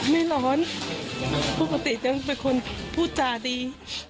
ไม่ร้อนปกติจะเป็นคนพูดจาดี